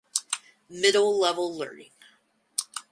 Middle Level Learning.